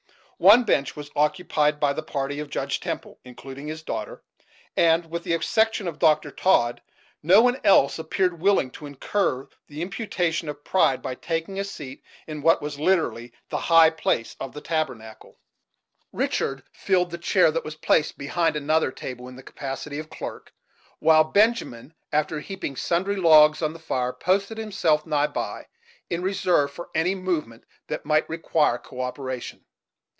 One bench was occupied by the party of Judge Temple, including his daughter, and, with the exception of Dr. Todd, no one else appeared willing to incur the imputation of pride, by taking a seat in what was, literally, the high place of the tabernacle. Richard filled the chair that was placed behind another table, in the capacity of clerk; while Benjamin, after heaping sundry logs on the fire, posted himself nigh by, in reserve for any movement that might require co operation.